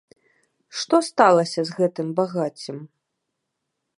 Што сталася з гэтым багаццем?